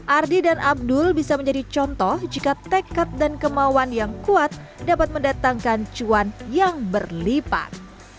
ardi dan abdul bisa menjadi contoh jika tekad dan kemauan yang kuat dapat mendatangkan cuan yang berlipat